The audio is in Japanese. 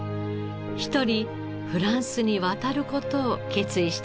一人フランスに渡る事を決意したのです。